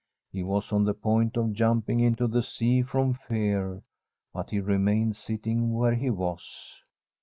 He was on the point of jumping into the sea from fear, but he remained sitting where he was.